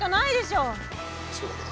そうだな。